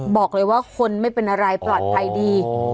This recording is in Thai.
บอกเลยว่าคนไม่เป็นอะไรปลอดภัยดี